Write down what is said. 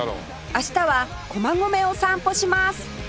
明日は駒込を散歩します